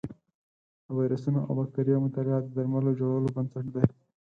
د ویروسونو او بکتریاوو مطالعه د درملو جوړولو بنسټ دی.